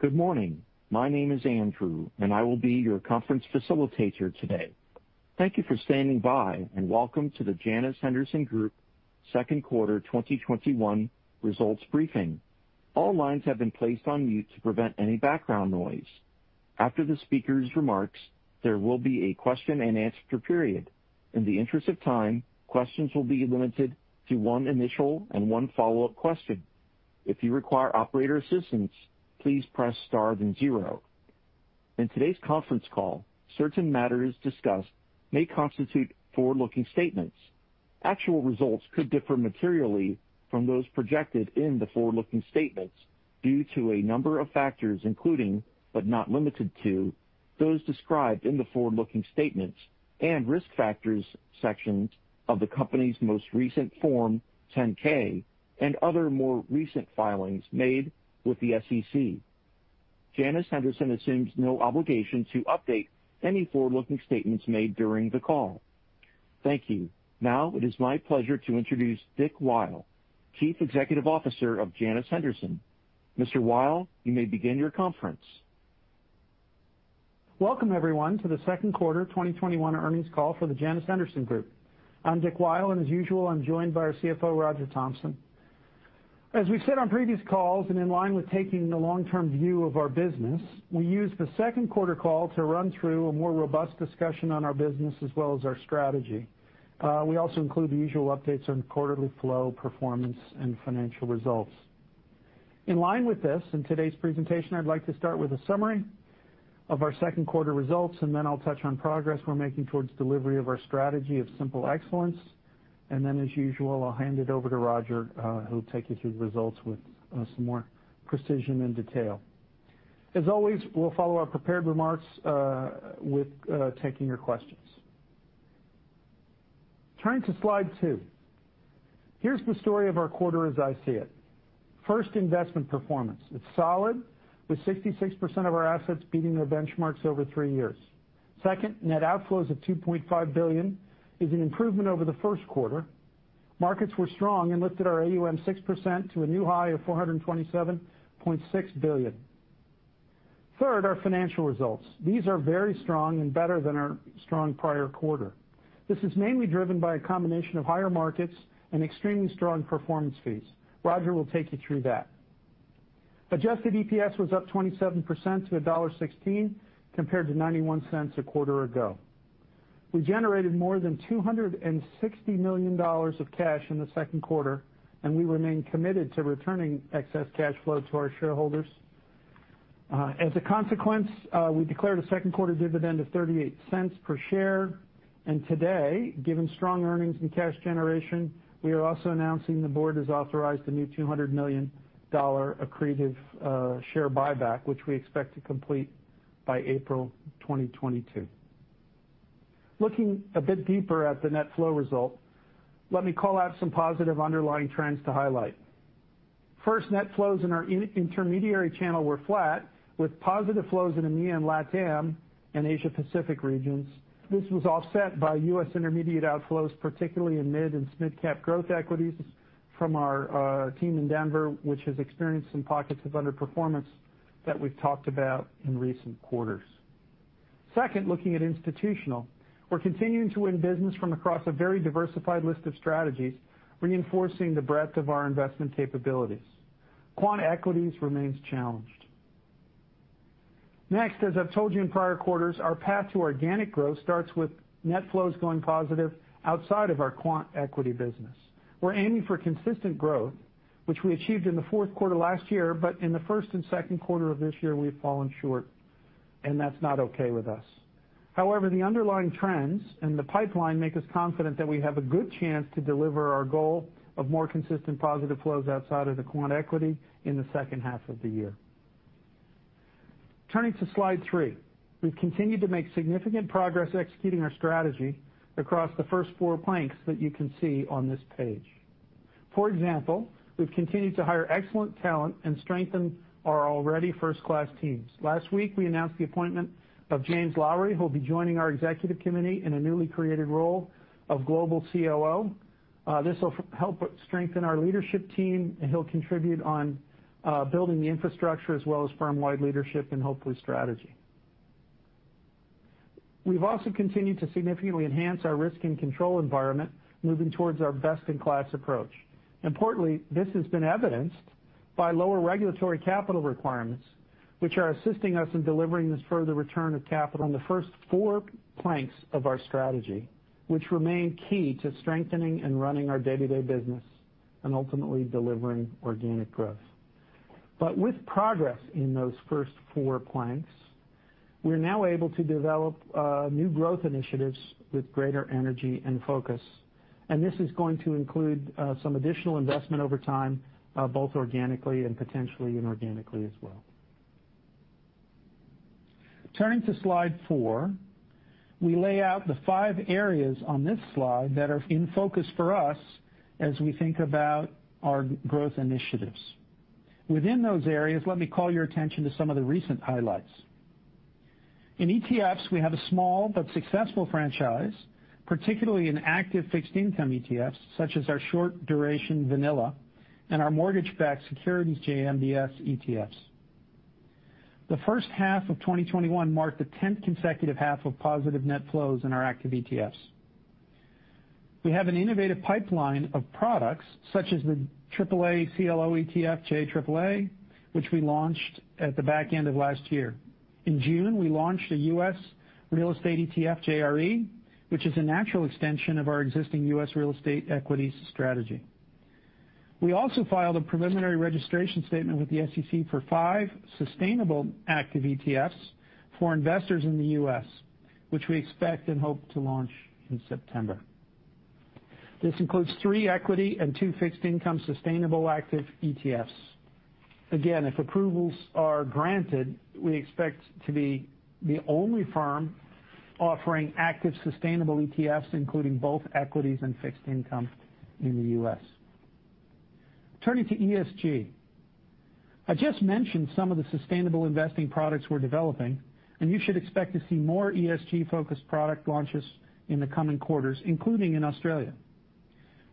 Good morning. My name is Andrew, I will be your conference facilitator today. Thank you for standing by, welcome to the Janus Henderson Group second quarter 2021 results briefing. All lines have been placed on mute to prevent any background noise. After the speakers' remarks, there will be a question-and-answer period. In the interest of time, questions will be limited to one initial and one follow-up question. If you require operator assistance, please press star then zero. In today's conference call, certain matters discussed may constitute forward-looking statements. Actual results could differ materially from those projected in the forward-looking statements due to a number of factors, including, but not limited to, those described in the forward-looking statements and risk factors sections of the company's most recent Form 10-K and other more recent filings made with the SEC. Janus Henderson assumes no obligation to update any forward-looking statements made during the call. Thank you. Now it is my pleasure to introduce Dick Weil, Chief Executive Officer of Janus Henderson. Mr. Weil, you may begin your conference. Welcome, everyone, to the second quarter 2021 earnings call for the Janus Henderson Group. I'm Dick Weil, and as usual, I'm joined by our CFO, Roger Thompson. As we said on previous calls and in line with taking the long-term view of our business, we use the second quarter call to run through a more robust discussion on our business as well as our strategy. We also include the usual updates on quarterly flow performance and financial results. In line with this, in today's presentation, I'd like to start with a summary of our second quarter results, and then I'll touch on progress we're making towards delivery of our strategy of simple excellence. Then, as usual, I'll hand it over to Roger, who'll take you through the results with some more precision and detail. As always, we'll follow our prepared remarks with taking your questions. Turning to slide two. Here's the story of our quarter as I see it. First, investment performance. It's solid, with 66% of our assets beating their benchmarks over three years. Second, net outflows of $2.5 billion is an improvement over the first quarter. Markets were strong and lifted our AUM 6% to a new high of $427.6 billion. Third, our financial results. These are very strong and better than our strong prior quarter. This is mainly driven by a combination of higher markets and extremely strong performance fees. Roger will take you through that. Adjusted EPS was up 27% to $1.16 compared to $0.91 a quarter ago. We generated more than $260 million of cash in the second quarter, and we remain committed to returning excess cash flow to our shareholders. As a consequence, we declared a second quarter dividend of $0.38 per share. Today, given strong earnings and cash generation, we are also announcing the board has authorized a new $200 million accretive share buyback, which we expect to complete by April 2022. Looking a bit deeper at the net flow result, let me call out some positive underlying trends to highlight. First, net flows in our intermediary channel were flat, with positive flows in EMEA and LATAM and Asia Pacific regions. This was offset by U.S. intermediate outflows, particularly in mid and SMID cap growth equities from our team in Denver, which has experienced some pockets of underperformance that we've talked about in recent quarters. Second, looking at institutional. We're continuing to win business from across a very diversified list of strategies, reinforcing the breadth of our investment capabilities. Quant equities remains challenged. Next, as I've told you in prior quarters, our path to organic growth starts with net flows going positive outside of our quant equity business. We're aiming for consistent growth, which we achieved in the 4th quarter last year, but in the first and second quarter of this year, we've fallen short, and that's not okay with us. However, the underlying trends and the pipeline make us confident that we have a good chance to deliver our goal of more consistent positive flows outside of the quant equity in the second half of the year. Turning to slide three. We've continued to make significant progress executing our strategy across the first four planks that you can see on this page. For example, we've continued to hire excellent talent and strengthen our already first-class teams. Last week, we announced the appointment of James Lowry, who'll be joining our executive committee in a newly created role of Global COO. This will help strengthen our leadership team, and he'll contribute on building the infrastructure as well as firm-wide leadership and hopefully strategy. We've also continued to significantly enhance our risk and control environment, moving towards our best-in-class approach. Importantly, this has been evidenced by lower regulatory capital requirements, which are assisting us in delivering this further return of capital in the first four planks of our strategy, which remain key to strengthening and running our day-to-day business and ultimately delivering organic growth. With progress in those first four planks, we're now able to develop new growth initiatives with greater energy and focus, and this is going to include some additional investment over time, both organically and potentially inorganically as well. Turning to slide four. We lay out the five areas on this slide that are in focus for us as we think about our growth initiatives. Within those areas, let me call your attention to some of the recent highlights. In ETFs, we have a small but successful franchise, particularly in active fixed income ETFs, such as our short duration vanilla and our mortgage-backed securities, JMBS ETFs. The first half of 2021 marked the 10th consecutive half of positive net flows in our active ETFs. We have an innovative pipeline of products, such as the AAA CLO ETF, JAAA, which we launched at the back end of last year. In June, we launched a U.S. real estate ETF, JRE, which is a natural extension of our existing U.S. real estate equities strategy. We also filed a preliminary registration statement with the SEC for 5 sustainable active ETFs for investors in the U.S., which we expect and hope to launch in September. This includes 3 equity and 2 fixed income sustainable active ETFs. Again, if approvals are granted, we expect to be the only firm offering active sustainable ETFs, including both equities and fixed income in the U.S. Turning to ESG. I just mentioned some of the sustainable investing products we're developing, and you should expect to see more ESG-focused product launches in the coming quarters, including in Australia.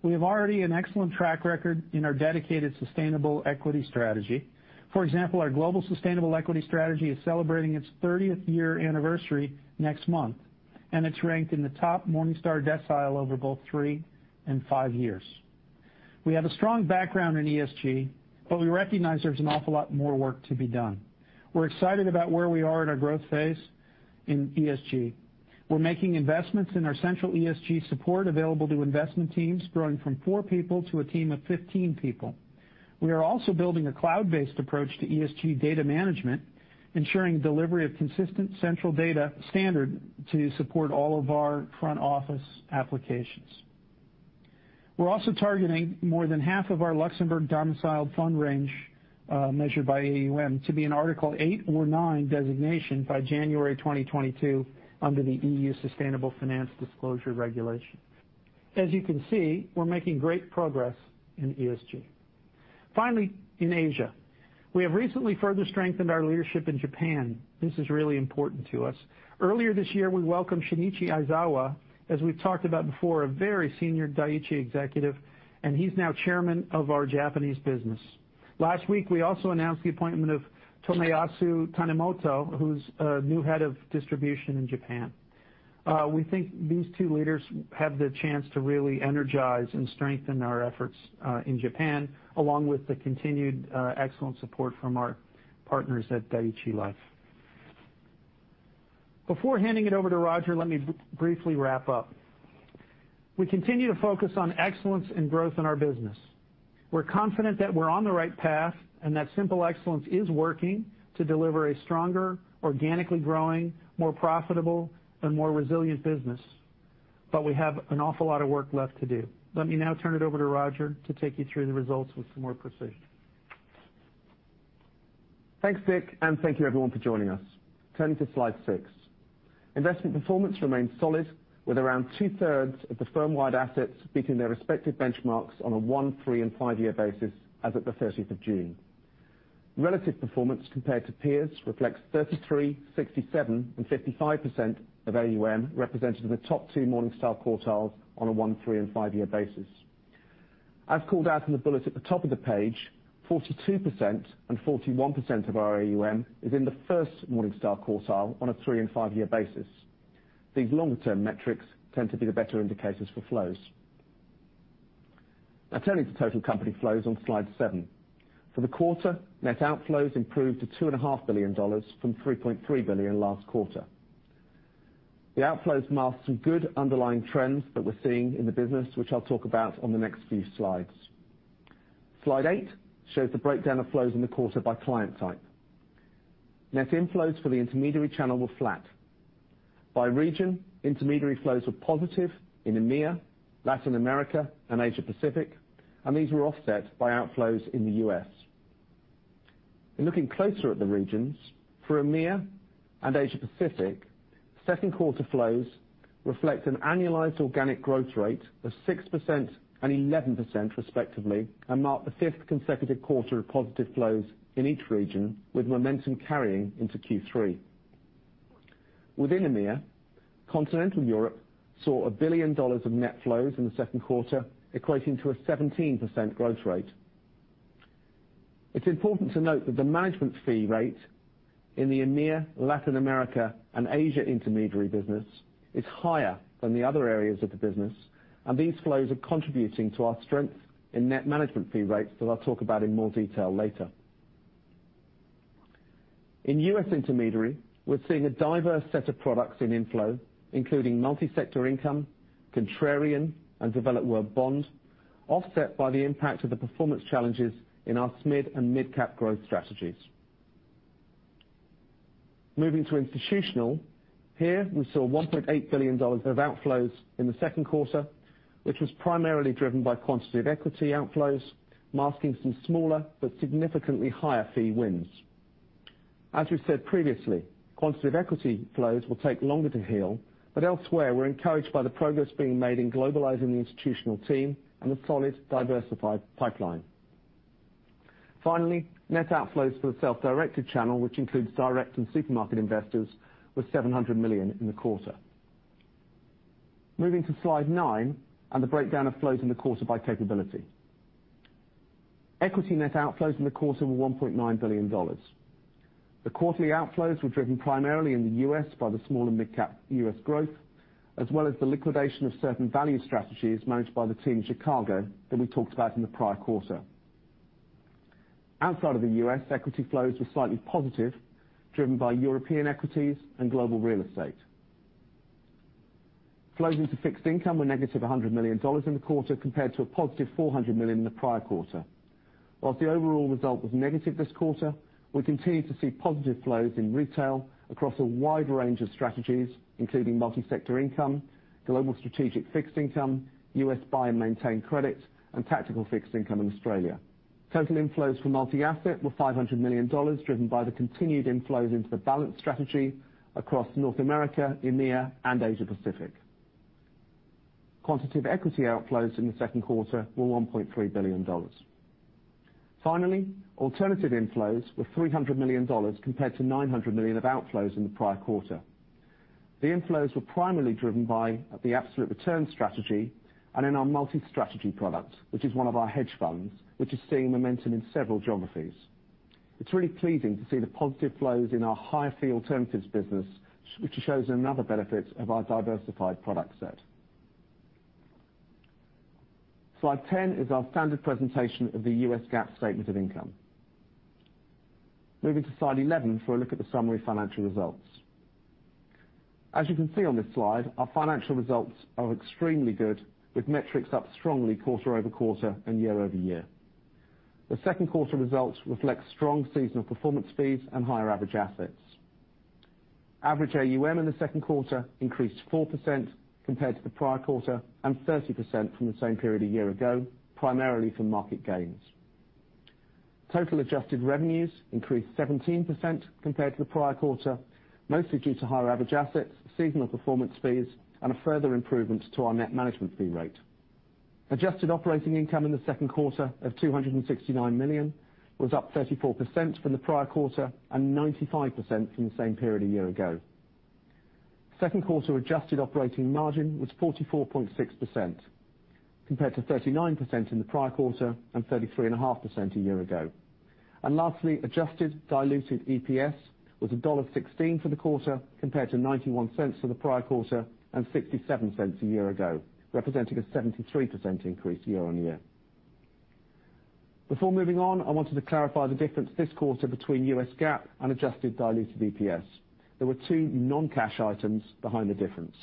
We have already an excellent track record in our dedicated sustainable equity strategy. For example, our Global Sustainable Equity strategy is celebrating its 30th year anniversary next month, and it's ranked in the top Morningstar decile over both three and five years. We have a strong background in ESG, but we recognize there's an awful lot more work to be done. We're excited about where we are in our growth phase in ESG. We're making investments in our central ESG support available to investment teams, growing from four people to a team of 15 people. We are also building a cloud-based approach to ESG data management, ensuring delivery of consistent central data standard to support all of our front-office applications. We're also targeting more than half of our Luxembourg domiciled fund range, measured by AUM, to be an Article eight or nine designation by January 2022 under the EU Sustainable Finance Disclosure Regulation. As you can see, we're making great progress in ESG. Finally, in Asia, we have recently further strengthened our leadership in Japan. This is really important to us. Earlier this year, we welcomed Shinichi Aizawa, as we've talked about before, a very senior Dai-ichi executive, and he's now chairman of our Japanese business. Last week, we also announced the appointment of Tomoyasu Tanimoto, who's a new head of distribution in Japan. We think these two leaders have the chance to really energize and strengthen our efforts in Japan, along with the continued excellent support from our partners at Dai-ichi Life. Before handing it over to Roger, let me briefly wrap up. We continue to focus on excellence and growth in our business. We're confident that we're on the right path and that simple excellence is working to deliver a stronger, organically growing, more profitable, and more resilient business. We have an awful lot of work left to do. Let me now turn it over to Roger to take you through the results with some more precision. Thanks, Dick, and thank you everyone for joining us. Turning to slide 6. Investment performance remains solid with around 2/3 of the firm-wide assets beating their respective benchmarks on a one, three, and five-year basis as at the 30th of June. Relative performance compared to peers reflects 33%, 67%, and 55% of AUM represented in the top two Morningstar quartiles on a one, three, and five-year basis. As called out in the bullet at the top of the page, 42% and 41% of our AUM is in the first Morningstar quartile on a three and five-year basis. These longer-term metrics tend to be the better indicators for flows. Turning to total company flows on slide seven. For the quarter, net outflows improved to $2.5 billion from $3.3 billion last quarter. The outflows mask some good underlying trends that we're seeing in the business, which I'll talk about on the next few slides. Slide eight shows the breakdown of flows in the 2Q by client type. Net inflows for the intermediary channel were flat. By region, intermediary flows were positive in EMEA, Latin America, and Asia Pacific, and these were offset by outflows in the U.S. In looking closer at the regions, for EMEA and Asia Pacific, 2Q flows reflect an annualized organic growth rate of 6% and 11% respectively, and mark the fifth consecutive quarter of positive flows in each region, with momentum carrying into Q3. Within EMEA, Continental Europe saw $1 billion of net flows in the 2Q, equating to a 17% growth rate. It's important to note that the management fee rate in the EMEA, Latin America, and Asia intermediary business is higher than the other areas of the business, and these flows are contributing to our strength in net management fee rates that I'll talk about in more detail later. In U.S. intermediary, we're seeing a diverse set of products in inflow, including Multi-Sector Income, contrarian, and developed world bond, offset by the impact of the performance challenges in our SMID and mid-cap growth strategies. Moving to institutional, here we saw $1.8 billion of outflows in the second quarter, which was primarily driven by quantitative equity outflows, masking some smaller but significantly higher fee wins. As we've said previously, quantitative equity flows will take longer to heal. Elsewhere, we're encouraged by the progress being made in globalizing the institutional team and the solid diversified pipeline. Finally, net outflows for the self-directed channel, which includes direct and supermarket investors, was $700 million in the quarter. Moving to slide nine and the breakdown of flows in the quarter by capability. Equity net outflows in the quarter were $1.9 billion. The quarterly outflows were driven primarily in the U.S. by the small and midcap U.S. growth, as well as the liquidation of certain value strategies managed by the team in Chicago that we talked about in the prior quarter. Outside of the U.S., equity flows were slightly positive, driven by European equities and global real estate. Flows into fixed income were negative $100 million in the quarter, compared to a positive $400 million in the prior quarter. Whilst the overall result was negative this quarter, we continue to see positive flows in retail across a wide range of strategies, including Multi-Sector Income, global strategic fixed income, U.S. buy and maintain credit, and tactical fixed income in Australia. Total inflows for multi-asset were $500 million, driven by the continued inflows into the balanced strategy across North America, EMEA, and Asia Pacific. Quantitative equity outflows in the second quarter were $1.3 billion. Alternative inflows were $300 million compared to $900 million of outflows in the prior quarter. The inflows were primarily driven by the absolute return strategy and in our multi-strategy product, which is one of our hedge funds, which is seeing momentum in several geographies. It's really pleasing to see the positive flows in our higher fee alternatives business, which shows another benefit of our diversified product set. Slide 10 is our standard presentation of the US GAAP statement of income. Moving to slide 11 for a look at the summary financial results. As you can see on this slide, our financial results are extremely good, with metrics up strongly quarter-over-quarter and year-over-year. The second quarter results reflect strong seasonal performance fees and higher average assets. Average AUM in the second quarter increased 4% compared to the prior quarter, and 30% from the same period a year ago, primarily from market gains. Total adjusted revenues increased 17% compared to the prior quarter, mostly due to higher average assets, seasonal performance fees, and a further improvement to our net management fee rate. Adjusted operating income in the second quarter of $269 million was up 34% from the prior quarter and 95% from the same period a year ago. Second quarter adjusted operating margin was 44.6%, compared to 39% in the prior quarter and 33.5% a year ago. Lastly, adjusted diluted EPS was $1.16 for the quarter, compared to $0.91 for the prior quarter and $0.67 a year ago, representing a 73% increase year-on-year. Before moving on, I wanted to clarify the difference this quarter between US GAAP and adjusted diluted EPS. There were two non-cash items behind the difference.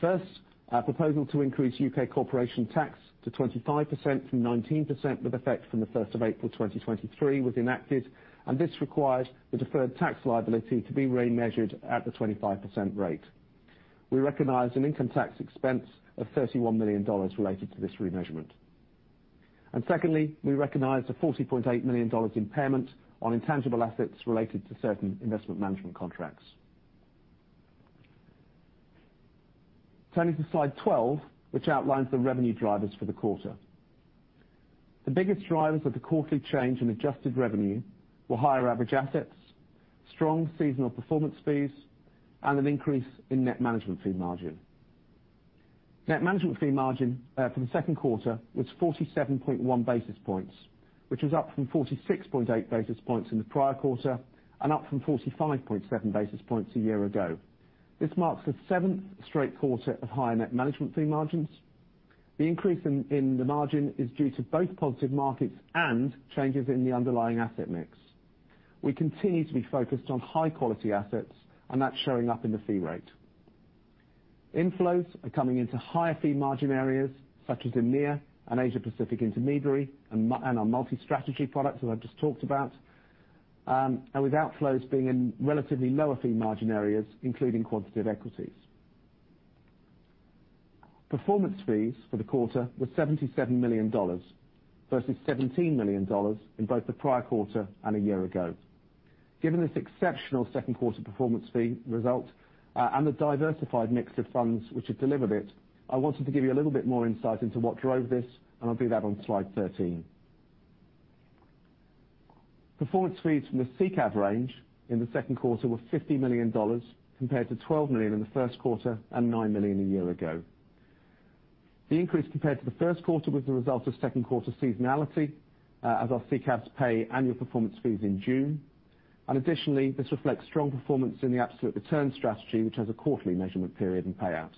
First, our proposal to increase U.K. corporation tax to 25% from 19% with effect from the 1st of April 2023 was enacted, and this required the deferred tax liability to be remeasured at the 25% rate. We recognized an income tax expense of $31 million related to this remeasurement. Secondly, we recognized a $40.8 million impairment on intangible assets related to certain investment management contracts. Turning to slide 12, which outlines the revenue drivers for the quarter. The biggest drivers of the quarterly change in adjusted revenue were higher average assets, strong seasonal performance fees, and an increase in net management fee margin. Net management fee margin for the second quarter was 47.1 basis points, which was up from 46.8 basis points in the prior quarter and up from 45.7 basis points a year ago. This marks the seventh straight quarter of higher net management fee margins. The increase in the margin is due to both positive markets and changes in the underlying asset mix. We continue to be focused on high-quality assets, and that's showing up in the fee rate. Inflows are coming into higher fee margin areas such as EMEA and Asia Pacific intermediary and our multi-strategy products, as I just talked about. With outflows being in relatively lower fee margin areas, including quantitative equities. Performance fees for the quarter were $77 million versus $17 million in both the prior quarter and a year ago. Given this exceptional second quarter performance fee result and the diversified mix of funds which have delivered it, I wanted to give you a little bit more insight into what drove this. I'll do that on slide 13. Performance fees from the CCAV range in the second quarter were $50 million, compared to $12 million in the first quarter and $9 million a year ago. The increase compared to the first quarter was the result of second quarter seasonality, as our CCAVs pay annual performance fees in June. Additionally, this reflects strong performance in the absolute return strategy, which has a quarterly measurement period and payout.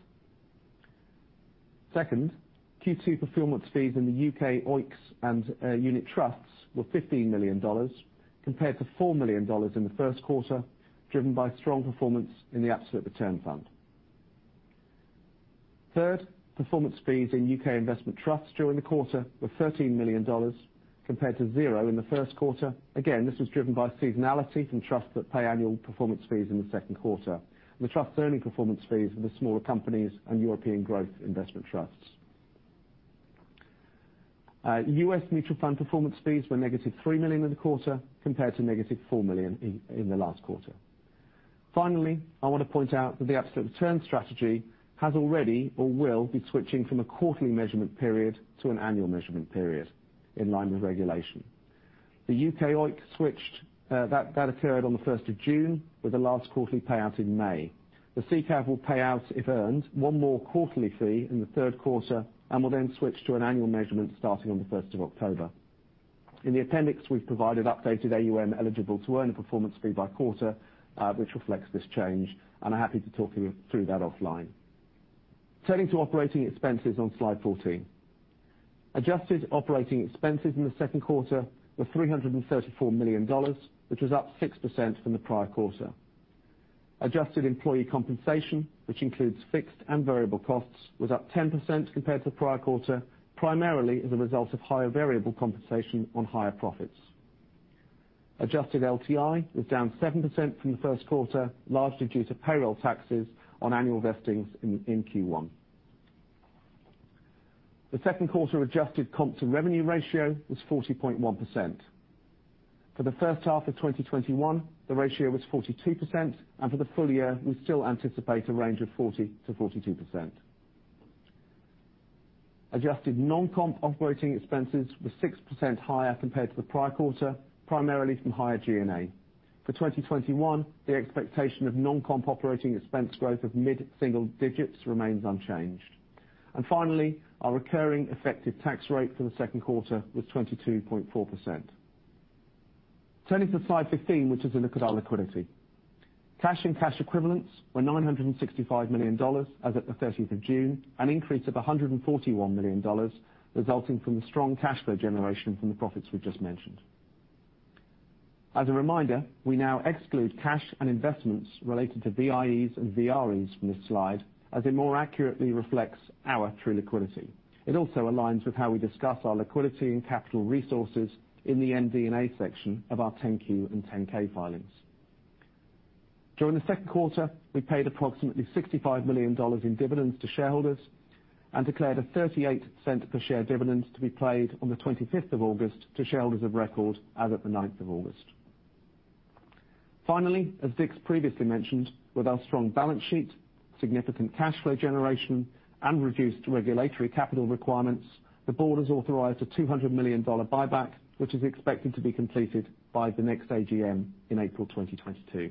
Second, Q2 performance fees in the U.K. OEICS and unit trusts were $15 million compared to $4 million in the first quarter, driven by strong performance in the absolute return fund. Third, performance fees in U.K. investment trusts during the quarter were $13 million, compared to zero in the first quarter. Again, this was driven by seasonality from trusts that pay annual performance fees in the second quarter, and the trusts earning performance fees were the smaller companies and European growth investment trusts. U.S. mutual fund performance fees were negative $3 million in the quarter compared to negative $4 million in the last quarter. Finally, I want to point out that the absolute return strategy has already or will be switching from a quarterly measurement period to an annual measurement period in line with regulation. The U.K. OEIC switched. That occurred on the 1st of June with the last quarterly payout in May. The SICAV will pay out, if earned, one more quarterly fee in the third quarter and will then switch to an annual measurement starting on the 1st of October. In the appendix, we've provided updated AUM eligible to earn a performance fee by quarter, which reflects this change, and I'm happy to talk you through that offline. Turning to operating expenses on Slide 14. Adjusted operating expenses in the second quarter were $334 million, which was up 6% from the prior quarter. Adjusted employee compensation, which includes fixed and variable costs, was up 10% compared to the prior quarter, primarily as a result of higher variable compensation on higher profits. Adjusted LTI was down 7% from the first quarter, largely due to payroll taxes on annual vestings in Q1. The second quarter adjusted comp-to-revenue ratio was 40.1%. For the first half of 2021, the ratio was 42%, and for the full year, we still anticipate a range of 40%-42%. Adjusted non-comp operating expenses were 6% higher compared to the prior quarter, primarily from higher G&A. For 2021, the expectation of non-comp operating expense growth of mid-single digits remains unchanged. Finally, our recurring effective tax rate for the second quarter was 22.4%. Turning to Slide 15, which is a look at our liquidity. Cash and cash equivalents were $965 million as of the 30th of June, an increase of $141 million, resulting from the strong cash flow generation from the profits we just mentioned. As a reminder, we now exclude cash and investments related to VIEs and VREs from this slide as it more accurately reflects our true liquidity. It also aligns with how we discuss our liquidity and capital resources in the MD&A section of our 10-Q and 10-K filings. During the second quarter, we paid approximately $65 million in dividends to shareholders and declared a $0.38 per share dividend to be paid on the 25th of August to shareholders of record as of the ninthof August. Finally, as Dick previously mentioned, with our strong balance sheet, significant cash flow generation, and reduced regulatory capital requirements, the board has authorized a $200 million buyback, which is expected to be completed by the next AGM in April 2022.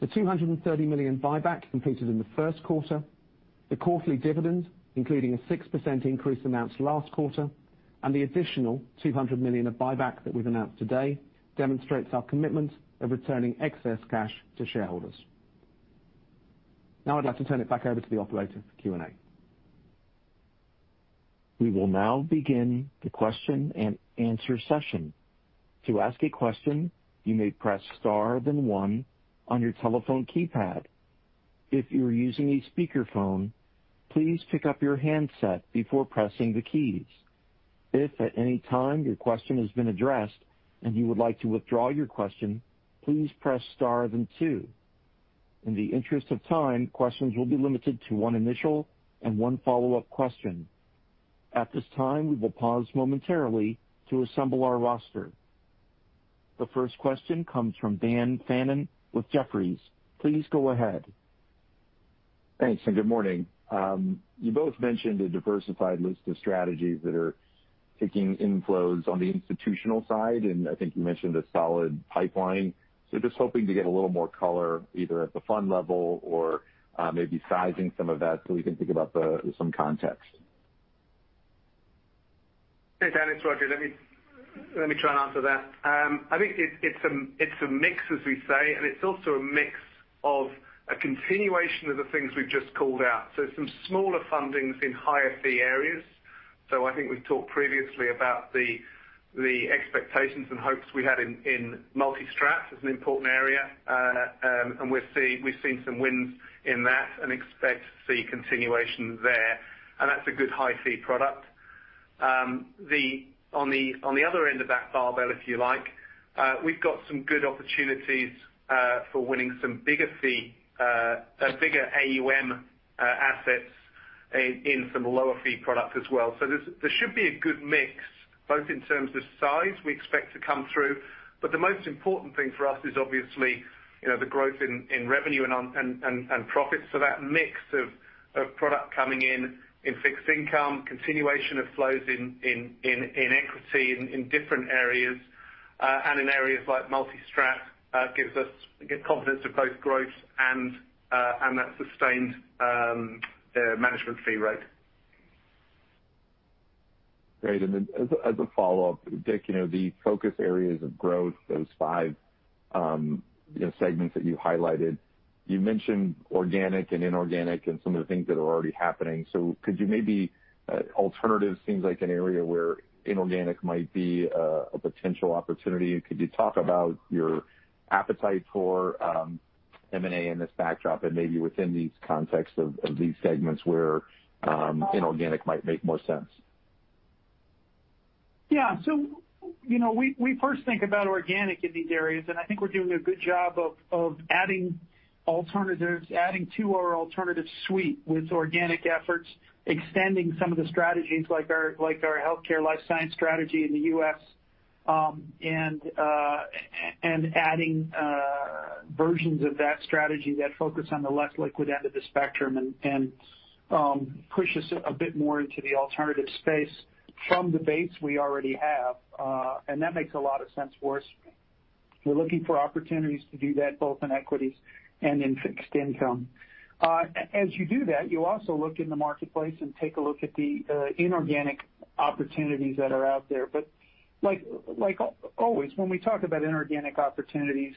The $230 million buyback completed in the first quarter, the quarterly dividend, including a 6% increase announced last quarter, and the additional $200 million of buyback that we've announced today demonstrates our commitment of returning excess cash to shareholders. I'dw like to turn it back over to the operator for Q&A. We will now begin the question and answer session. To ask a question, you may press star then one on your telephone keypad. If you are using a speakerphone, please pick up your handset before pressing the keys. If at any time your question has been addressed and you would like to withdraw your question, please press star then two. In the interest of time, questions will be limited to one initial and one follow-up question. At this time, we will pause momentarily to assemble our roster. The first question comes from Daniel Fannon with Jefferies. Please go ahead. Thanks. Good morning. You both mentioned a diversified list of strategies that are taking inflows on the institutional side, and I think you mentioned a solid pipeline. Just hoping to get a little more color, either at the fund level or maybe sizing some of that so we can think about some context. Hey, Dan, it's Roger. Let me try and answer that. I think it's a mix, as we say, and it's also a mix of a continuation of the things we've just called out. Some smaller fundings in higher fee areas. I think we've talked previously about the expectations and hopes we had in multi-strat as an important area. We've seen some wins in that and expect to see continuation there. That's a good high fee product. On the other end of that barbell, if you like, we've got some good opportunities for winning some bigger AUM assets in some lower fee product as well. There should be a good mix, both in terms of size we expect to come through. The most important thing for us is obviously the growth in revenue and profits. That mix of product coming in fixed income, continuation of flows in equity in different areas, and in areas like multi-strat gives us good confidence of both growth and that sustained management fee rate. Great. As a follow-up, Dick, the focus areas of growth, those five segments that you highlighted. You mentioned organic and inorganic and some of the things that are already happening. Could you maybe Alternatives seems like an area where inorganic might be a potential opportunity. Could you talk about your appetite for M&A in this backdrop and maybe within these contexts of these segments where inorganic might make more sense? Yeah. We first think about organic in these areas, and I think we're doing a good job of adding alternatives, adding to our alternative suite with organic efforts, extending some of the strategies like our healthcare life science strategy in the U.S., and adding versions of that strategy that focus on the less liquid end of the spectrum and push us a bit more into the alternative space from the base we already have. That makes a lot of sense for us. We're looking for opportunities to do that, both in equities and in fixed income. As you do that, you also look in the marketplace and take a look at the inorganic opportunities that are out there. Like always, when we talk about inorganic opportunities,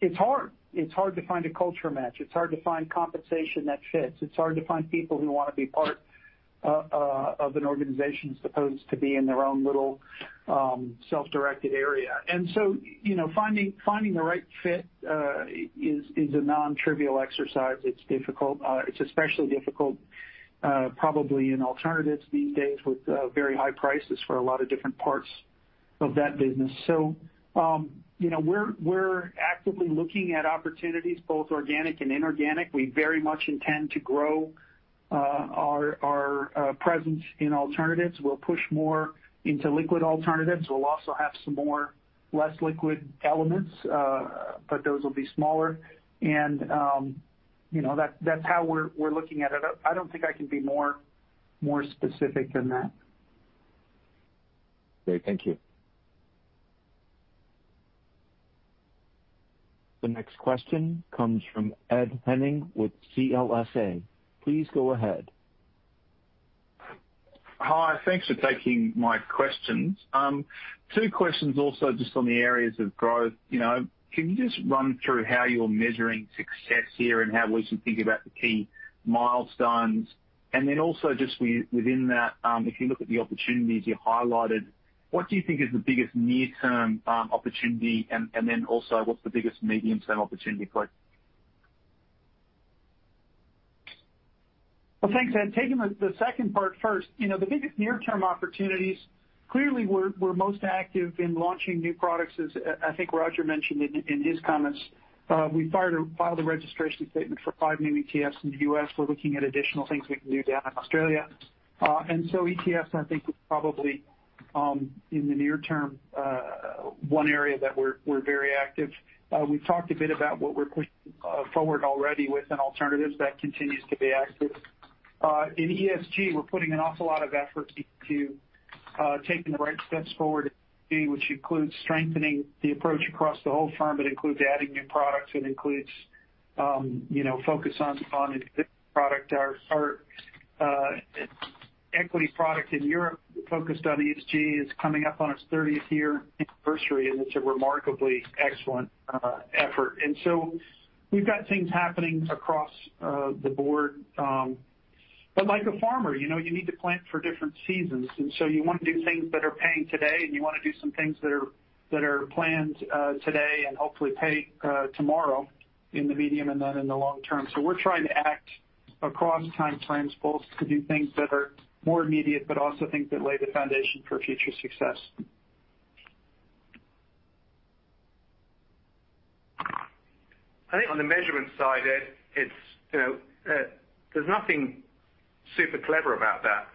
it's hard. It's hard to find a culture match. It's hard to find compensation that fits. It's hard to find people who want to be part of an organization as opposed to be in their own little self-directed area. Finding the right fit is a non-trivial exercise. It's difficult. It's especially difficult, probably in alternatives these days with very high prices for a lot of different parts of that business. We're actively looking at opportunities, both organic and inorganic. We very much intend to grow our presence in alternatives. We'll push more into liquid alternatives. We'll also have some more less liquid elements, but those will be smaller. That's how we're looking at it. I don't think I can be more specific than that. Okay, thank you. The next question comes from Ed Henning with CLSA. Please go ahead. Hi. Thanks for taking my questions. Two questions also just on the areas of growth. Can you just run through how you're measuring success here and how we should think about the key milestones? Then also just within that, if you look at the opportunities you highlighted, what do you think is the biggest near-term opportunity, and then also, what's the biggest medium-term opportunity for you? Thanks, Ed. Taking the second part first. The biggest near-term opportunities, clearly we're most active in launching new products, as I think Roger mentioned in his comments. We filed a registration statement for five new ETFs in the U.S. We're looking at additional things we can do down in Australia. ETFs, I think, is probably, in the near term, one area that we're very active. We've talked a bit about what we're pushing forward already with in alternatives. That continues to be active. In ESG, we're putting an awful lot of effort into taking the right steps forward, which includes strengthening the approach across the whole firm. It includes adding new products. It includes focus on existing product. Our equity product in Europe focused on ESG is coming up on its 30th year anniversary, and it's a remarkably excellent effort. We've got things happening across the board. Like a farmer, you need to plant for different seasons, and so you want to do things that are paying today, and you want to do some things that are planned today and hopefully pay tomorrow in the medium and then in the long term. We're trying to act across time frames, both to do things that are more immediate, but also things that lay the foundation for future success. I think on the measurement side, Ed, there's nothing super clever about that.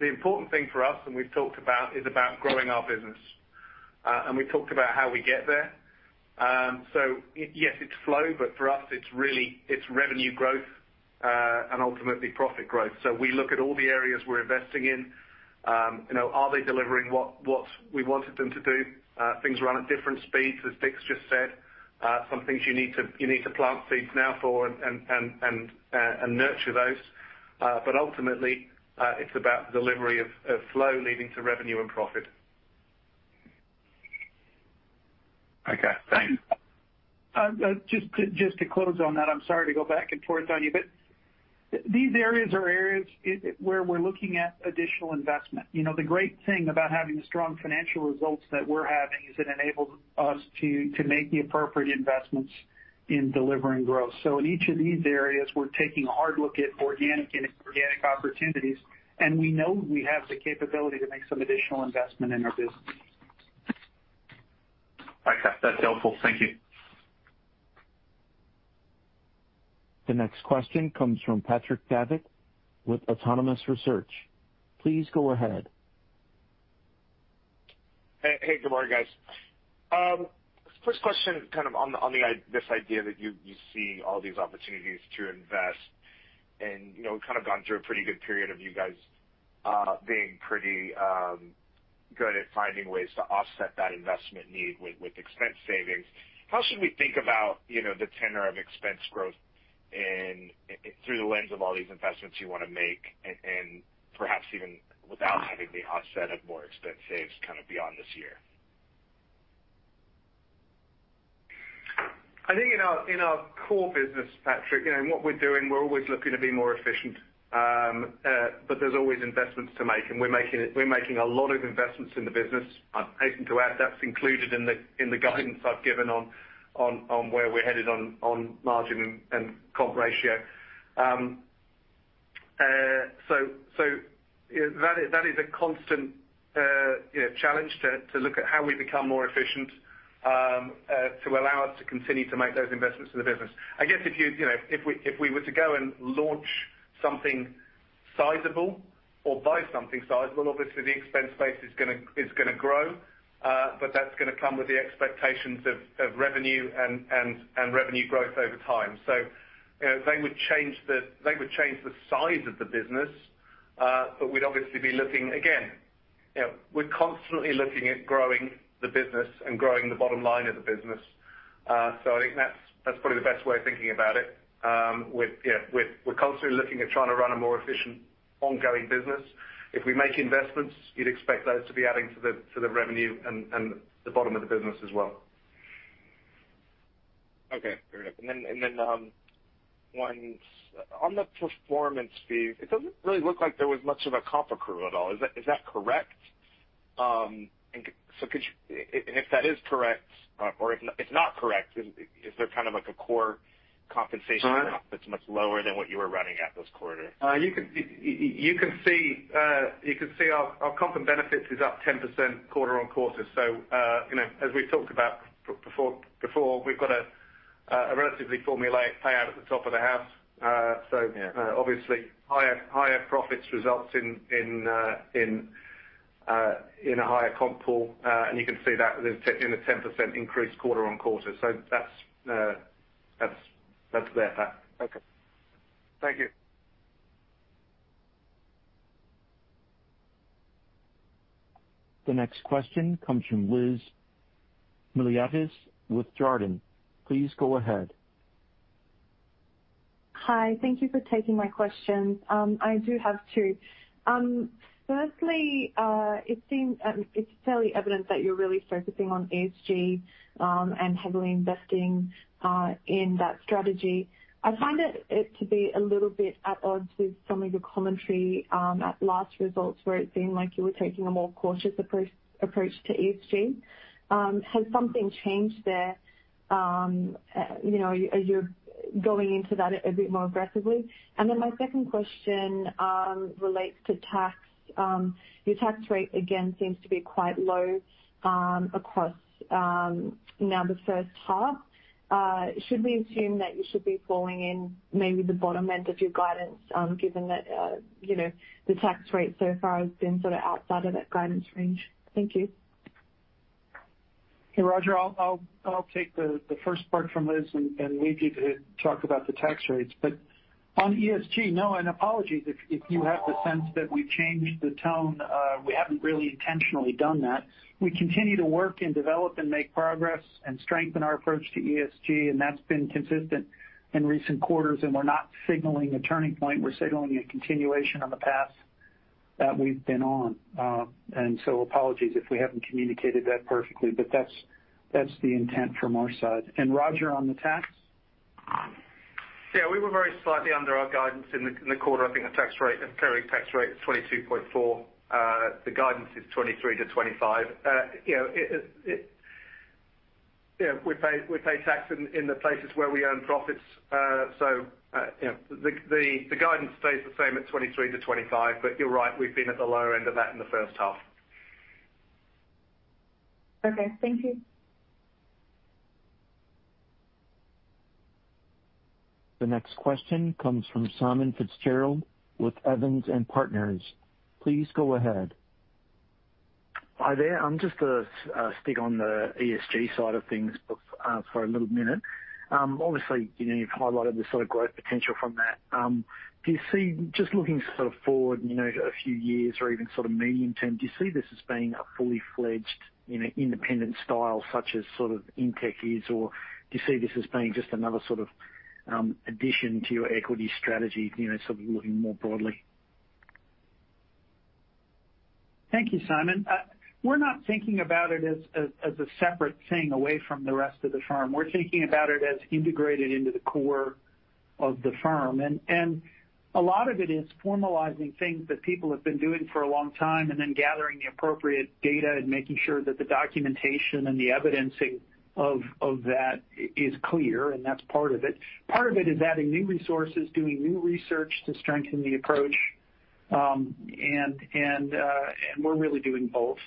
The important thing for us, and we've talked about, is about growing our business. We've talked about how we get there. Yes, it's flow, but for us, it's revenue growth, and ultimately profit growth. We look at all the areas we're investing in. Are they delivering what we wanted them to do? Things run at different speeds, as Dick's just said. Some things you need to plant seeds now for and nurture those. Ultimately, it's about the delivery of flow leading to revenue and profit. Okay, thanks. Just to close on that, I'm sorry to go back and forth on you, these areas are areas where we're looking at additional investment. The great thing about having the strong financial results that we're having is it enables us to make the appropriate investments in delivering growth. In each of these areas, we're taking a hard look at organic and inorganic opportunities, and we know we have the capability to make some additional investment in our business. Okay. That's helpful. Thank you. The next question comes from Patrick Davitt with Autonomous Research. Please go ahead. Hey, good morning, guys. First question, kind of on this idea that you see all these opportunities to invest and kind of gone through a pretty good period of you guys being pretty good at finding ways to offset that investment need with expense savings. How should we think about the tenor of expense growth through the lens of all these investments you want to make and perhaps even without having the offset of more expense saves kind of beyond this year? I think in our core business, Patrick, what we're doing, we're always looking to be more efficient. There's always investments to make, and we're making a lot of investments in the business. I'm pleased to add that's included in the guidance I've given on where we're headed on margin and comp ratio. That is a constant challenge to look at how we become more efficient to allow us to continue to make those investments in the business. I guess if we were to go and launch something sizable or buy something sizable, obviously the expense base is going to grow, but that's going to come with the expectations of revenue and revenue growth over time. They would change the size of the business. We'd obviously be looking, again, we're constantly looking at growing the business and growing the bottom line of the business. I think that's probably the best way of thinking about it. We're constantly looking at trying to run a more efficient ongoing business. If we make investments, you'd expect those to be adding to the revenue and the bottom of the business as well. Okay. Fair enough. Then one, on the performance fee, it doesn't really look like there was much of a comp accrual at all. Is that correct? If that is correct or if it's not correct, is there kind of like a core compensation amount that's much lower than what you were running at those quarters? You can see our comp and benefits is up 10% quarter-on-quarter. As we've talked about before, we've got a relatively formulaic payout at the top of the house. Yeah. Obviously higher profits results in a higher comp pool. You can see that in the 10% increase quarter-on-quarter. That's there, Pat. Okay. Thank you. The next question comes from Liz Miliotis with Jarden. Please go ahead. Hi. Thank you for taking my questions. I do have two. Firstly, it's fairly evident that you're really focusing on ESG, and heavily investing in that strategy. I find it to be a little bit at odds with some of your commentary at last results, where it seemed like you were taking a more cautious approach to ESG. Has something changed there? Are you going into that a bit more aggressively? My second question relates to tax. Your tax rate again seems to be quite low across now the first half. Should we assume that you should be falling in maybe the bottom end of your guidance, given that the tax rate so far has been sort of outside of that guidance range? Thank you. Hey, Roger. I'll take the first part from Liz and leave you to talk about the tax rates. On ESG, no, and apologies if you have the sense that we've changed the tone. We haven't really intentionally done that. We continue to work and develop and make progress and strengthen our approach to ESG, and that's been consistent in recent quarters, and we're not signaling a turning point. We're signaling a continuation on the path that we've been on. Apologies if we haven't communicated that perfectly. That's the intent from our side. Roger, on the tax? We were very slightly under our guidance in the quarter. I think the tax rate, the clearing tax rate is 22.4%. The guidance is 23%-25%. We pay tax in the places where we earn profits. The guidance stays the same at 23%-25%. You're right, we've been at the lower end of that in the first half. Okay. Thank you. The next question comes from Simon Fitzgerald with Evans and Partners. Please go ahead. Hi there. I'm just going to stick on the ESG side of things for a little minute. Obviously, you've highlighted the sort of growth potential from that. Just looking sort of forward a few years or even sort of medium term, do you see this as being a fully fledged independent style such as sort of Intech is? Or do you see this as being just another sort of addition to your equity strategy, sort of looking more broadly? Thank you, Simon. We're not thinking about it as a separate thing away from the rest of the firm. We're thinking about it as integrated into the core of the firm. A lot of it is formalizing things that people have been doing for a long time, and then gathering the appropriate data and making sure that the documentation and the evidencing of that is clear, and that's part of it. Part of it is adding new resources, doing new research to strengthen the approach. We're really doing both.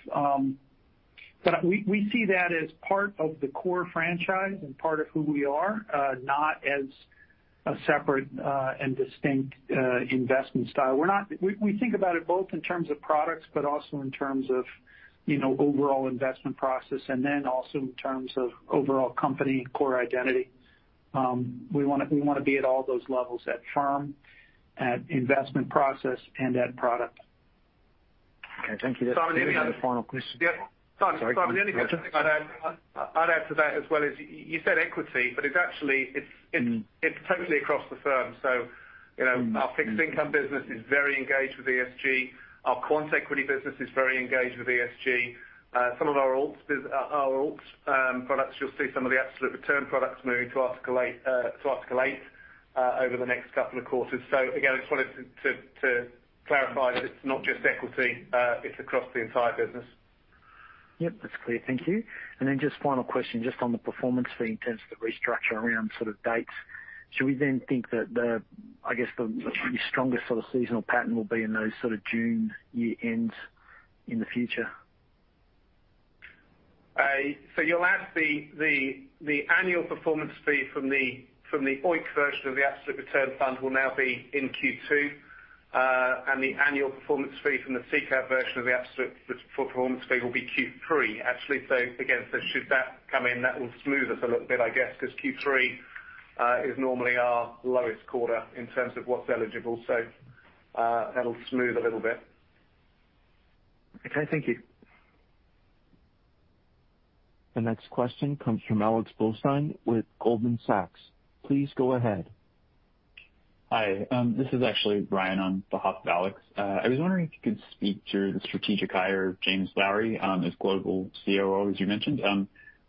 We see that as part of the core franchise and part of who we are, not as a separate and distinct investment style. We think about it both in terms of products, but also in terms of overall investment process, and then also in terms of overall company core identity. We want to be at all those levels, at firm, at investment process, and at product. Okay, thank you. That's the end of the final question. Simon- Sorry. Go ahead. Simon, the only thing I'd add to that as well is, you said equity, but it's actually, it's totally across the firm. Our fixed income business is very engaged with ESG. Our quant equity business is very engaged with ESG. Some of our alts products, you'll see some of the absolute return products moving to Article 8 over the next couple of quarters. Again, I just wanted to clarify that it's not just equity. It's across the entire business. Yep, that's clear. Thank you. Just final question, just on the performance fee in terms of the restructure around dates. Should we then think that the, I guess, the strongest sort of seasonal pattern will be in those June year-ends in the future? The annual performance fee from the OEIC version of the absolute return fund will now be in Q2, and the annual performance fee from the SICAV version of the absolute performance fee will be Q3. Actually, again, should that come in, that will smooth us a little bit, I guess, because Q3 is normally our lowest quarter in terms of what's eligible. That'll smooth a little bit. Okay, thank you. The next question comes from Alex Blostein with Goldman Sachs. Please go ahead. Hi. This is actually Ryan on behalf of Alex. I was wondering if you could speak to the strategic hire of James Lowry, as Global COO, as you mentioned.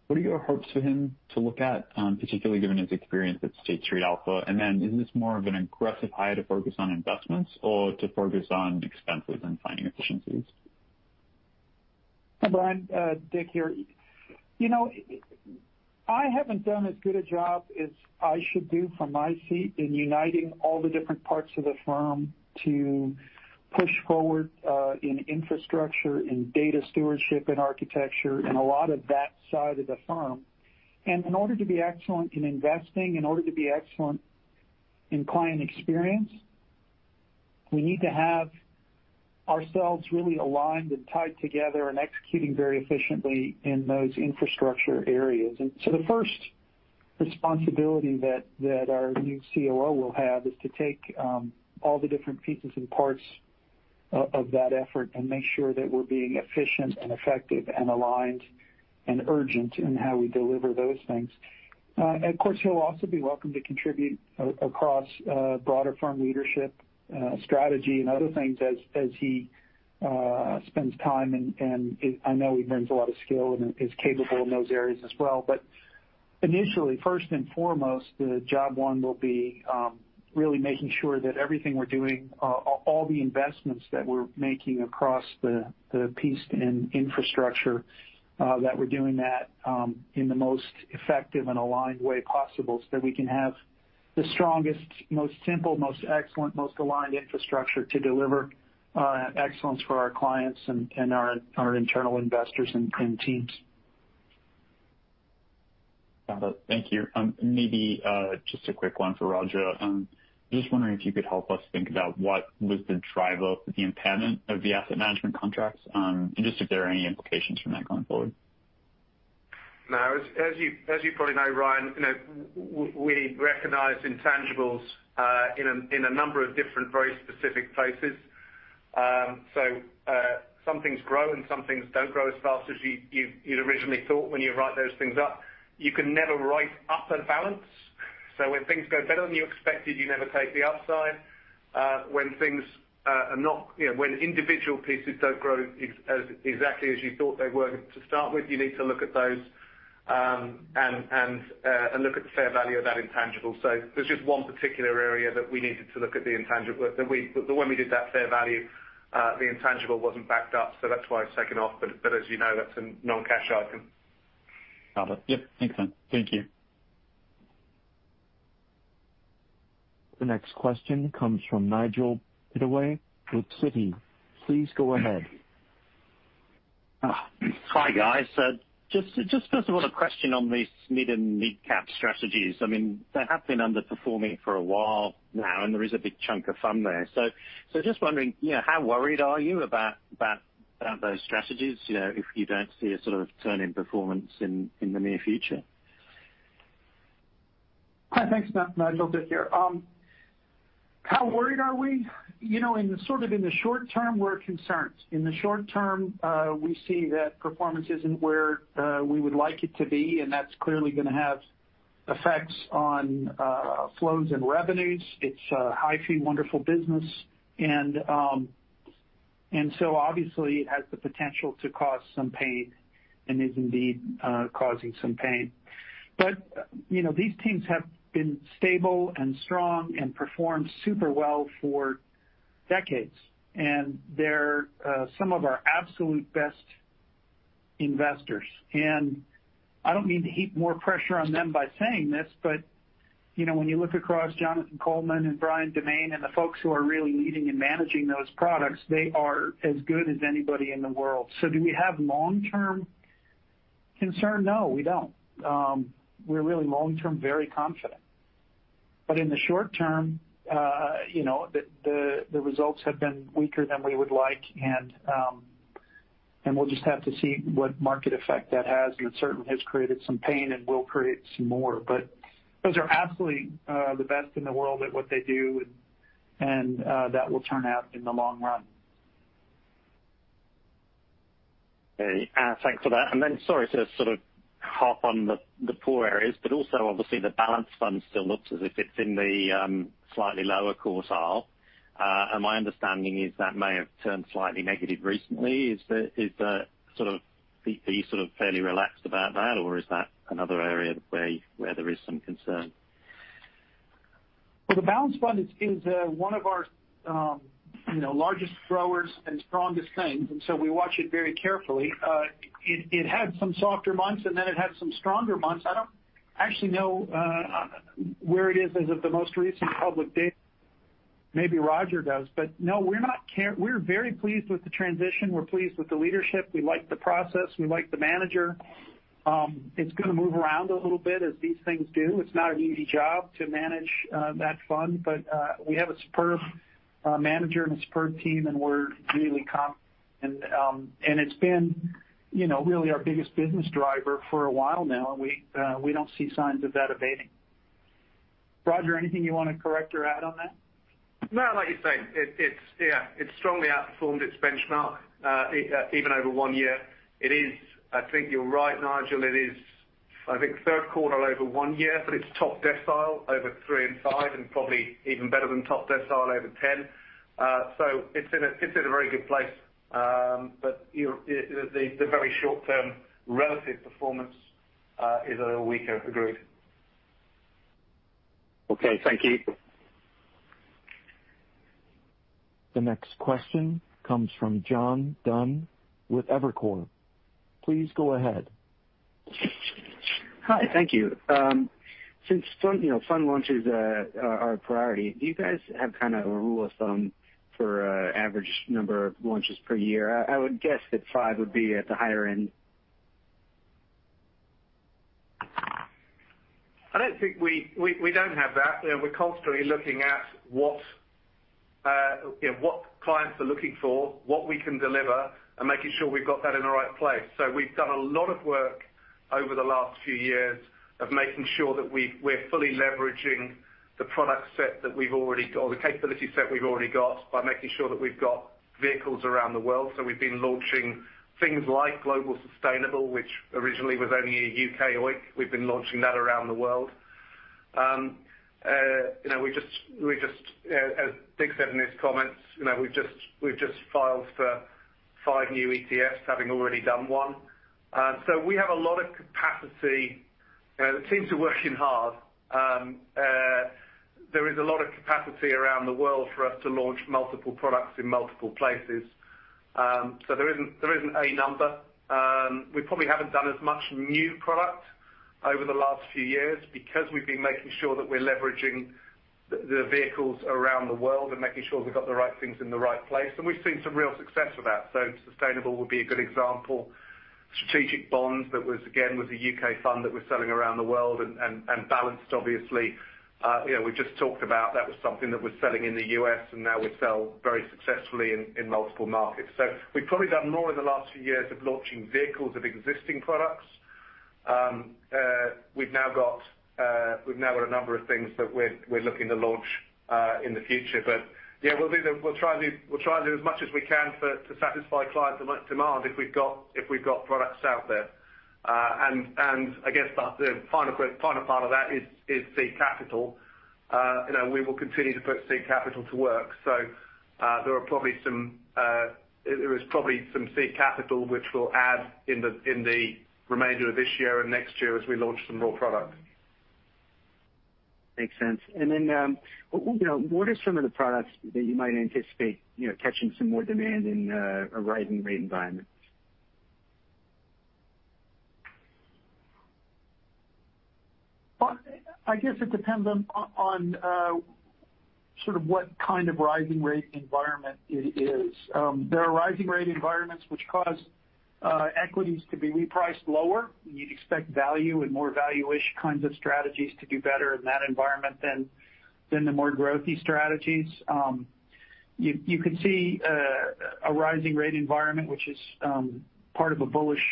What are your hopes for him to look at, particularly given his experience at State Street Alpha? Is this more of an aggressive hire to focus on investments or to focus on expenses and finding efficiencies? Hi, Ryan. Dick here. I haven't done as good a job as I should do from my seat in uniting all the different parts of the firm to push forward, in infrastructure, in data stewardship and architecture, and a lot of that side of the firm. In order to be excellent in investing, in order to be excellent in client experience, we need to have ourselves really aligned and tied together and executing very efficiently in those infrastructure areas. The first responsibility that our new COO will have is to take all the different pieces and parts of that effort and make sure that we're being efficient and effective and aligned and urgent in how we deliver those things. Of course, he'll also be welcome to contribute across broader firm leadership, strategy, and other things as he spends time. I know he brings a lot of skill and is capable in those areas as well. Initially, first and foremost, the job one will be really making sure that everything we're doing, all the investments that we're making across the piece in infrastructure, that we're doing that in the most effective and aligned way possible so that we can have the strongest, most simple, most excellent, most aligned infrastructure to deliver excellence for our clients and our internal investors and teams. Got it. Thank you. Maybe just a quick one for Roger. Just wondering if you could help us think about what was the drive of the impairment of the asset management contracts, and just if there are any implications from that going forward? As you probably know, Ryan, we recognize intangibles in a number of different, very specific places. Some things grow and some things don't grow as fast as you'd originally thought when you write those things up. You can never write up a balance. When things go better than you expected, you never take the upside. When individual pieces don't grow exactly as you thought they were to start with, you need to look at those and look at the fair value of that intangible. There's just one particular area that we needed to look at the intangible. When we did that fair value, the intangible wasn't backed up, so that's why it's taken off. As you know, that's a non-cash item. Got it. Yep. Makes sense. Thank you. The next question comes from Nigel Pittaway with Citi. Please go ahead. Hi, guys. Just first of all, a question on these mid and mid-cap strategies. They have been underperforming for a while now, and there is a big chunk of fund there. Just wondering how worried are you about those strategies if you don't see a sort of turn in performance in the near future? Thanks, Nigel. Dick here. How worried are we? In the short term, we're concerned. In the short term, we see that performance isn't where we would like it to be, and that's clearly going to have effects on flows and revenues. It's a high-fee, wonderful business. Obviously it has the potential to cause some pain and is indeed causing some pain. These teams have been stable and strong and performed super well for decades. They're some of our absolute best investors. I don't mean to heap more pressure on them by saying this, when you look across Jonathan Coleman and Brian Demain and the folks who are really leading and managing those products, they are as good as anybody in the world. Do we have long-term concern? No, we don't. We're really long-term very confident. In the short term, the results have been weaker than we would like, and we'll just have to see what market effect that has. It certainly has created some pain and will create some more. Those are absolutely the best in the world at what they do, and that will turn out in the long run. Thanks for that. Sorry to sort of harp on the poor areas, but also obviously the balance fund still looks as if it's in the slightly lower quartile. My understanding is that may have turned slightly negative recently. Are you fairly relaxed about that, or is that another area where there is some concern? Well, the Balance fund is one of our largest growers and strongest things, we watch it very carefully. It had some softer months, it had some stronger months. I don't actually know where it is as of the most recent public date. Maybe Roger does. No, we're very pleased with the transition. We're pleased with the leadership. We like the process. We like the manager. It's going to move around a little bit, as these things do. It's not an easy job to manage that fund. We have a superb manager and a superb team, we're really confident. It's been really our biggest business driver for a while now. We don't see signs of that abating. Roger, anything you want to correct or add on that? No, like you say, it's strongly outperformed its benchmark, even over one year. I think you're right, Nigel. It is, I think, third quarter over 1 year, but it's top decile over three and five, and probably even better than top decile over 10. It's in a very good place. The very short-term relative performance is a little weaker, agreed. Okay, thank you. The next question comes from John Dunn with Evercore. Please go ahead. Hi. Thank you. Since fund launches are a priority, do you guys have kind of a rule of thumb for average number of launches per year? I would guess that 5 would be at the higher end. I don't think We don't have that. We're constantly looking at what clients are looking for, what we can deliver, and making sure we've got that in the right place. We've done a lot of work over the last few years of making sure that we're fully leveraging the product set that we've already got, or the capability set we've already got, by making sure that we've got vehicles around the world. We've been launching things like Global Sustainable, which originally was only a U.K. OEIC. We've been launching that around the world. As Dick said in his comments, we've just filed for 5 new ETFs, having already done 1. We have a lot of capacity. The teams are working hard. There is a lot of capacity around the world for us to launch multiple products in multiple places. There isn't a number. We probably haven't done as much new product over the last few years because we've been making sure that we're leveraging the vehicles around the world and making sure we've got the right things in the right place. We've seen some real success with that. Sustainable would be a good example. Strategic Bonds, that was, again, with a U.K. fund that we're selling around the world. Balanced, obviously, we've just talked about. That was something that was selling in the U.S., and now we sell very successfully in multiple markets. We've probably done more in the last few years of launching vehicles of existing products. We've now got a number of things that we're looking to launch in the future. Yeah, we'll try and do as much as we can to satisfy client demand if we've got products out there. I guess the final part of that is seed capital. We will continue to put seed capital to work. There is probably some seed capital which we'll add in the remainder of this year and next year as we launch some more product. Makes sense. What are some of the products that you might anticipate catching some more demand in a rising rate environment? I guess it depends on sort of what kind of rising rate environment it is. There are rising rate environments which cause equities to be repriced lower. You'd expect value and more value-ish kinds of strategies to do better in that environment than the more growth-y strategies. You could see a rising rate environment which is part of a bullish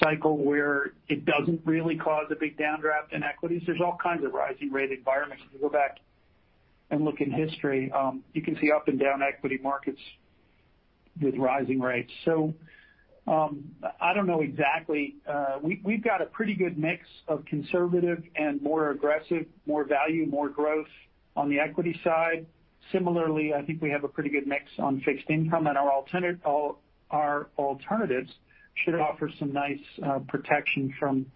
cycle, where it doesn't really cause a big downdraft in equities. There's all kinds of rising rate environments. If you go back and look in history, you can see up and down equity markets with rising rates. I don't know exactly. We've got a pretty good mix of conservative and more aggressive, more value, more growth on the equity side. Similarly, I think we have a pretty good mix on fixed income. Our alternatives should offer some nice protection from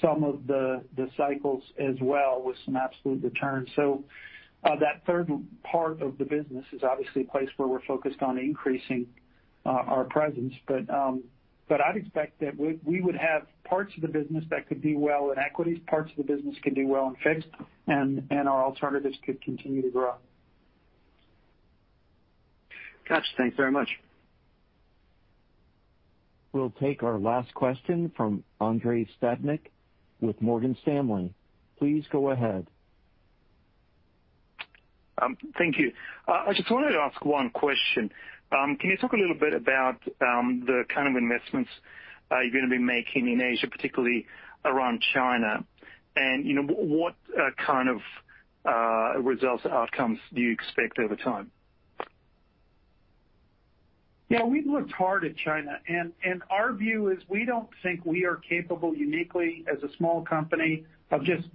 some of the cycles as well, with some absolute returns. That third part of the business is obviously a place where we're focused on increasing our presence. I'd expect that we would have parts of the business that could do well in equities, parts of the business could do well in fixed, and our alternatives could continue to grow. Got you. Thanks very much. We'll take our last question from Andrei Stadnik with Morgan Stanley. Please go ahead. Thank you. I just wanted to ask one question. Can you talk a little bit about the kind of investments you're going to be making in Asia, particularly around China? What kind of results outcomes do you expect over time? Yeah, we've looked hard at China, and our view is we don't think we are capable uniquely as a small company of just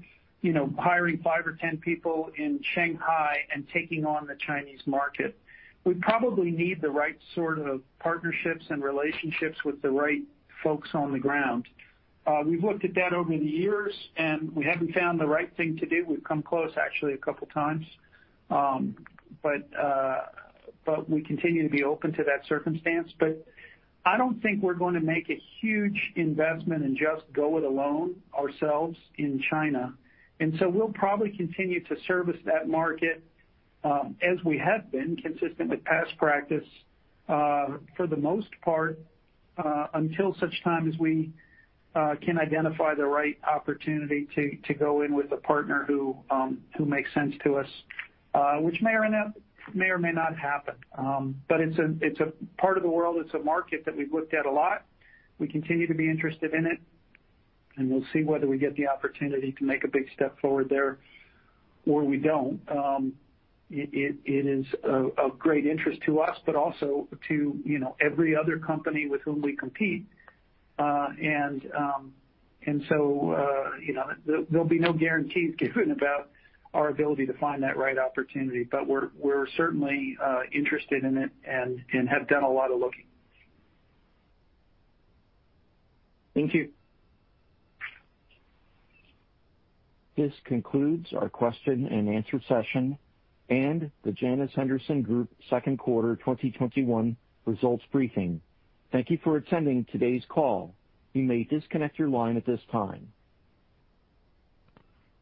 hiring five or 10 people in Shanghai and taking on the Chinese market. We probably need the right sort of partnerships and relationships with the right folks on the ground. We've looked at that over the years, and we haven't found the right thing to do. We've come close, actually, a couple of times. We continue to be open to that circumstance. I don't think we're going to make a huge investment and just go it alone ourselves in China. We'll probably continue to service that market as we have been, consistent with past practice, for the most part, until such time as we can identify the right opportunity to go in with a partner who makes sense to us, which may or may not happen. It's a part of the world, it's a market that we've looked at a lot. We continue to be interested in it, and we'll see whether we get the opportunity to make a big step forward there or we don't. It is of great interest to us, but also to every other company with whom we compete. There'll be no guarantees given about our ability to find that right opportunity. We're certainly interested in it and have done a lot of looking. Thank you. This concludes our question and answer session and the Janus Henderson Group second quarter 2021 results briefing. Thank you for attending today's call. You may disconnect your line at this time.